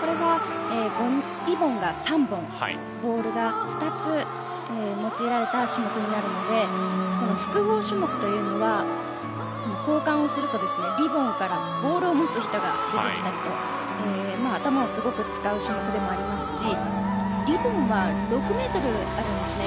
これは、リボンが３本ボールが２つ用いられた種目になるので複合種目というのは交換をするとリボンからボールを持つ人が右、左と頭をすごく使う種目でもありますしリボンは６ｍあるんですね。